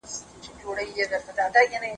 د ژوند حق د هر چا دنده ده چي درناوی ورته وکړي.